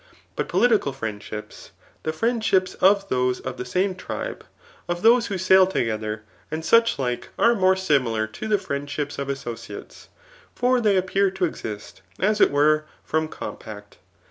But political friendships, the frioid ships of those of the same tribe, of those who sail toge ther, and such like, are more similar to the friendships 4>f associates ; for they appear to exist as it were from com pact.